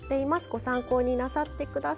ご参考になさって下さい。